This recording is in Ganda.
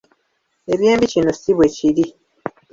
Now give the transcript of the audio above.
Eby’embi kino si bwe kiri.